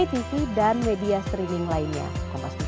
ada teman teman di partai berkikasian komentar